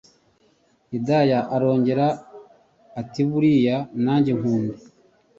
Hidaya arongera atiburiya najye nkunda